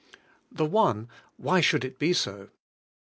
The one, "Why should it be so?"